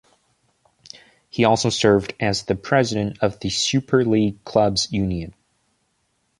He also served as the president of the Super League Clubs Union.